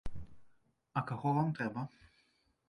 А каго вам трэба?